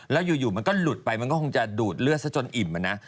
แล้วอยู่มันก็หลุดไปมันก็คงจะดูดเลือดซะจนอิ่มนะ